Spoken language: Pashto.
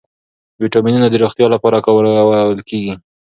ویټامینونه د روغتیا لپاره کارول کېږي.